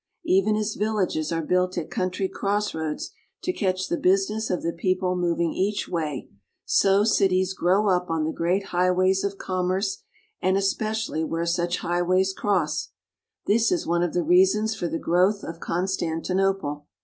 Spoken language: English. Even as villages are built at country crossroads to catch the business of the people moving each way, so cities grow up on the great highways of commerce, and especially where such high ways cross. This is one of the reasons for the growth of Constantinople.